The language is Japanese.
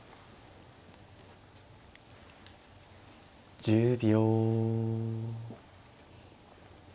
１０秒。